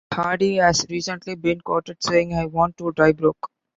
Hardy has recently been quoted saying, I want to die broke.